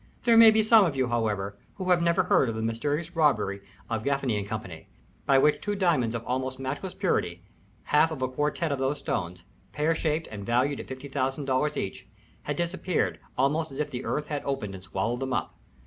There may be some of you, however, who have never heard of the mysterious robbery of Gaffany & Co., by which two diamonds of almost matchless purity half of a quartet of these stones pear shaped and valued at $50,000 each, had disappeared almost as if the earth had opened and swallowed them up.